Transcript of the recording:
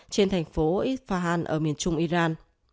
trên thành phố ifahan ở miền trung iran